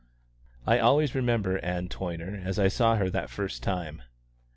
I always remember Ann Toyner as I saw her that first time.